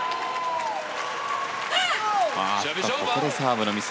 ここでサーブのミス。